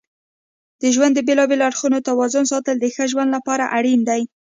د ژوند د بیلابیلو اړخونو توازن ساتل د ښه ژوند لپاره اړین دي.